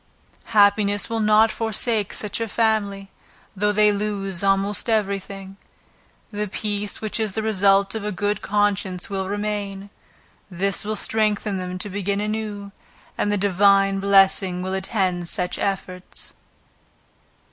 Happiness will not forsake such a family though they lose almost every thing, the peace which is the result of a good conscience will remain; this will strengthen them to begin anew, and the Divine blessing will attend such efforts.